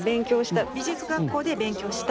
美術学校で勉強した。